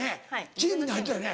チームに入ってたよね